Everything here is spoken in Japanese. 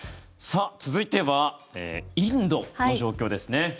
続いては、インドの状況ですね。